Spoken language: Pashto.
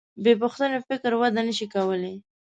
بېپوښتنې فکر وده نهشي کولی.